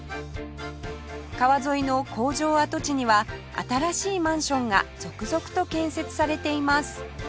川沿いの工場跡地には新しいマンションが続々と建設されています